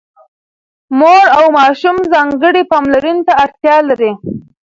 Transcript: مور او ماشوم ځانګړې پاملرنې ته اړتيا لري.